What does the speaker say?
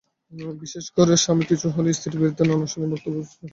বিশেষ করে স্বামী কিছু হলেই স্ত্রীর বিরুদ্ধে নানা অশালীন মন্তব্য পোস্ট করেন।